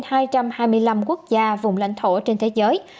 số ca tử phong trên một trăm hai mươi năm quốc gia vùng lãnh thổ trên thế giới